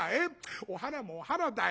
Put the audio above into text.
お花もお花だよ。